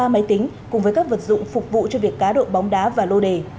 ba máy tính cùng với các vật dụng phục vụ cho việc cá độ bóng đá và lô đề